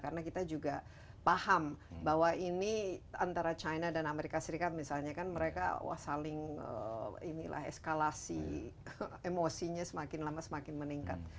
karena kita juga paham bahwa ini antara china dan amerika serikat misalnya kan mereka saling inilah eskalasi emosinya semakin lama semakin meningkat